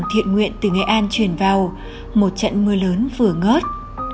một thiện nguyện từ nghệ an chuyển vào một trận mưa lớn vừa ngớt